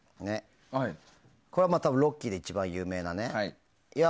これは「ロッキー」で一番有名なね。